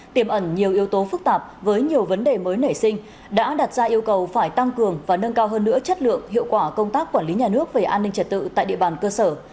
tiềm ẩn nhiều yếu tố phức tạp với nhiều vấn đề mới nảy sinh đã đặt ra yêu cầu phải tăng cường và nâng cao hơn nữa chất lượng hiệu quả công tác quản lý nhà nước về an ninh trật tự tại địa bàn cơ sở